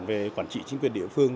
về quản trị chính quyền địa phương